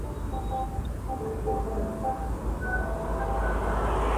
歌曲的歌词也正好描述了斯威夫特十七岁时与恋人在星光下跳舞的经历。